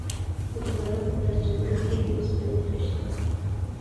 د فراه په پرچمن کې د وسپنې نښې شته.